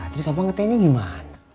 tadi subuh ngetehnya gimana